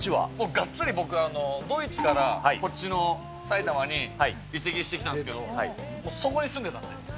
がっつり僕はドイツからこっちのさいたまに移籍してきたんですけど、もうそこに住んでたんで。